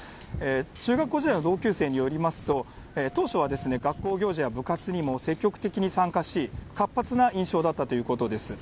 中学校時代の同級生によりますと、当初は学校行事や部活にも積極的に参加し、活発な印象だったということです。